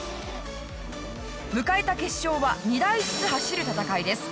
迎えた決勝は２台ずつ走る戦いです。